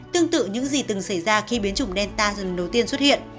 tương tự những gì từng xảy ra khi biến chủng deltas lần đầu tiên xuất hiện